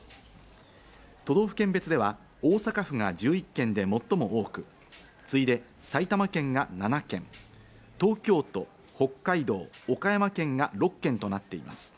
都道府県別では大阪府が１１件で最も多く、次いで埼玉県が７件、東京都、北海道、岡山県が６件となっています。